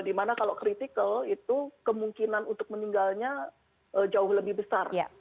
dimana kalau kritikal itu kemungkinan untuk meninggalnya jauh lebih besar